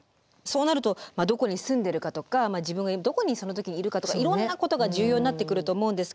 そうなるとどこに住んでるかとか自分がどこにその時にいるかとかいろんなことが重要になってくると思うんですけども。